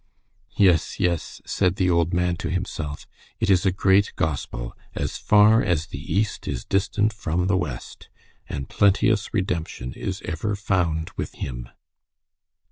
"Yes, yes," said the old man to himself, "it is a great gospel. 'As far as the east is distant from the west.' 'And plenteous redemption is ever found with him.'"